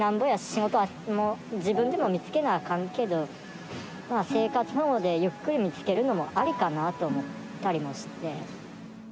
仕事は自分でも見つけなあかんけど、生活保護でゆっくり見つけるのもありかなと思ったりもして。